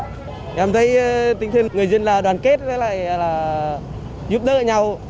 và bề đầu là em thấy tinh thần người dân là đoàn kết với lại là giúp đỡ nhau